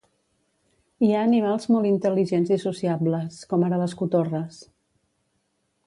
Hi ha animals molt intel·ligents i sociables, com ara les cotorres